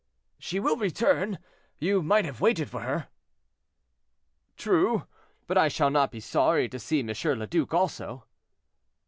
"She will return, you might have waited for her." "True; but I shall not be sorry to see M. le Duc also."